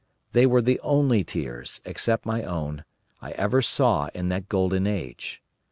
They were the only tears, except my own, I ever saw in that Golden Age.